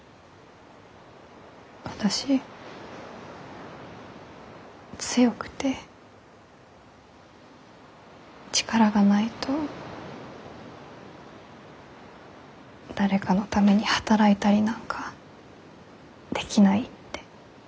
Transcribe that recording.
私強くて力がないと誰かのために働いたりなんかできないって思ってました。